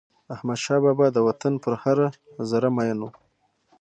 احمدشاه بابا د وطن پر هره ذره میین و.